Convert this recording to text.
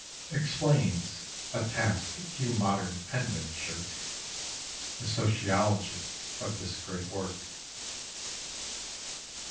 _Explains a task few modern penmen shirk The sociology of this great work.